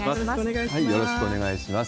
よろしくお願いします。